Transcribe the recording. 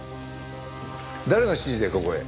誰の指示でここへ？